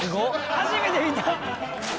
初めて見た。